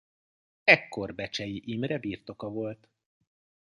Ekkor Becsei Imre birtoka volt.